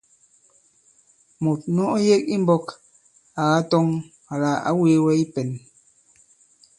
Mùt nu ɔ yek i mbɔ̄k à katɔŋ àlà ǎ wēe wɛ i pɛ̄n.